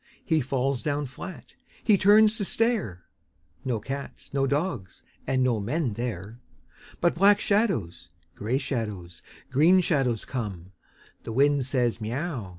He falls down flat. H)e turns to stare — No cats, no dogs, and no men there. But black shadows, grey shadows, green shadows come. The wind says, " Miau !